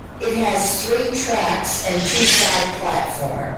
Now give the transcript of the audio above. It has three tracks and two side platforms.